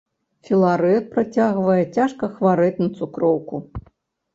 Філарэт працягвае цяжка хварэць на цукроўку.